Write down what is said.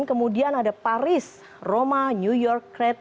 kemudian ada paris roma new york